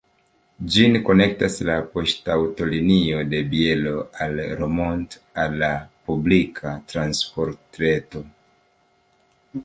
Ĝin konektas la poŝtaŭtolinio de Bielo al Romont al la publika transportreto.